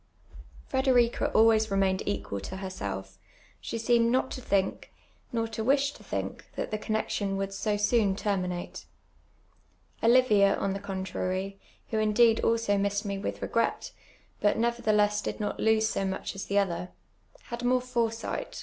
Fnderica always remained equal to herself; she ficoinecl not to think, nor to wish to think, that the connexion, would so soon tenninate. Olivia, on the contrar}*, who indeed also missed me with refi^ret, but nevertheless did not lose so much as the other, had more foresiijht.